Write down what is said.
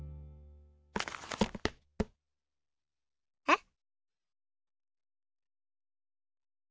えっ？